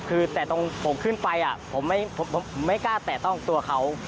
คือแต่ตรงผมขึ้นไปผมไม่กล้าแตะต้องตัวเขา